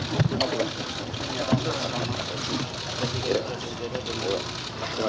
terima kasih pak